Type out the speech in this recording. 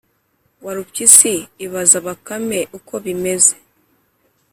warupyisi ibaza bakame uko bimeze